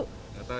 nggak tahu ya